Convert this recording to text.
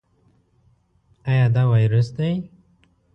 ایا دا وایروس دی؟